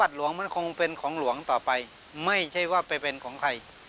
หลวงมันคงเป็นของหลวงต่อไปไม่ใช่ว่าไปเป็นของใคร